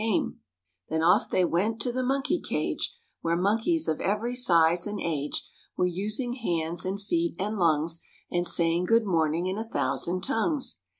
126 MORE ABOUT THE ROOSEVELT BEARS Then off they went to the monkey cage Where monkeys of every size and age Were using hands and feet and lungs And saying good moming in a thousand tongues.